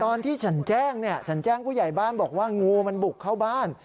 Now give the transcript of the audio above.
ตอนที่ฉันแจ้งเนี่ยฉันแจ้งผู้ใหญ่บ้านบอกว่างูมันบุกเข้าบ้าน